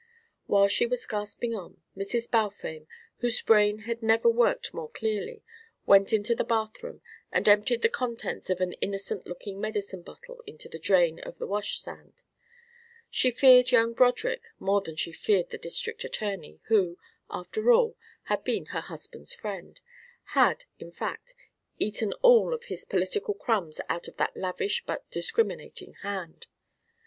While she was gasping on, Mrs. Balfame, whose brain had never worked more clearly, went into the bathroom and emptied the contents of an innocent looking medicine bottle into the drain of the wash stand. She feared young Broderick more than she feared the district attorney, who, after all, had been her husband's friend had, in fact, eaten all of his political crumbs out of that lavish but discriminating hand.